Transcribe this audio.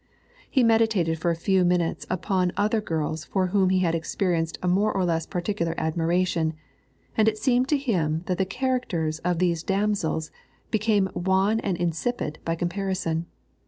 He meditated for a few minutes upon other girls for whom he had experienced a more or less particular admiration, and it seemed to him that the characters of these damsels became wan and insipid by comparison.